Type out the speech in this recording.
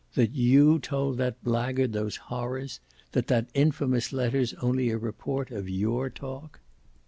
that YOU told that blackguard those horrors; that that infamous letter's only a report of YOUR talk?"